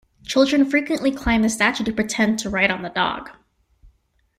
Children frequently climb the statue to pretend to ride on the dog.